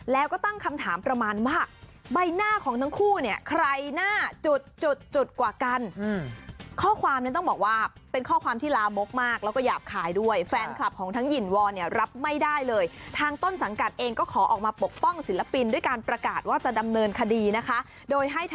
แล้วก็หยาบขายด้วยแฟนคลับของทั้งหยินวอร์รเนี้ยรับไม่ได้เลยทางต้นสังกัดเองก็ขอออกมาปกป้องศิลปินดิด้วยการประกาศว่าจะดำเนินคดีนะคะโดยให้ท